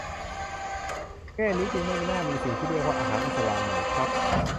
แง่นี้จึงไม่น่ามีสิ่งที่เรียกว่า "อาหารอิสลาม" ไหมครับ